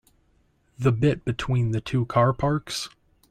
The bit between the two car parks?